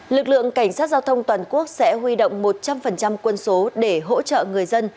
lực lượng cảnh sát giao thông toàn quốc sẽ huy động một trăm linh quân số để hỗ trợ người dân